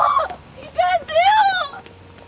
行かんでよ！